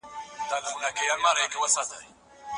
ټولنيز انسجام اړين دی.